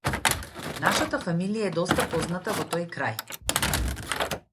Нашата фамилија е доста позната во тој крај.